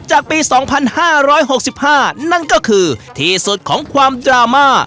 จากปีสองพันห้าร้อยหกสิบห้านั่นก็คือที่สุดของความดราม่า